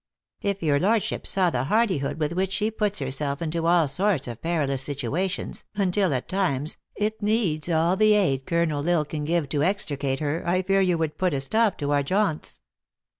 If your Lordship saw the hardihood with which she puts herself into all sorts of perilous situa tions, until, at times, it needs all the aid Colonel L lsle can give to extricate her, I fear you would put a stop to our jaunts."